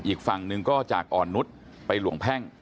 อีกฝั่งหนึ่งก็จากอ่อนนุษย์ไปหลวงแพ่ง